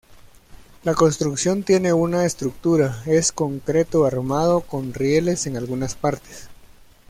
La construcción tiene una estructura es concreto armado con rieles en algunas partes.